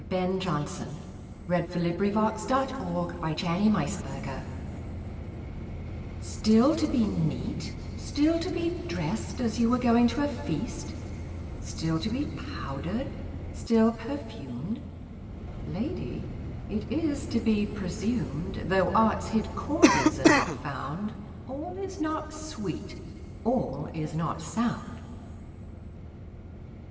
Ben Jonson. 1573–1637 186. Simplex Munditiis STILL to be neat, still to be drest, As you were going to a feast; Still to be powder'd, still perfumed: Lady, it is to be presumed, Though art's hid causes are not found, 5 All is not sweet, all is not sound.